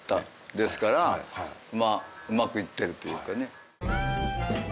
ですからまあうまくいってるというかね。